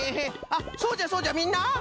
あっそうじゃそうじゃみんな！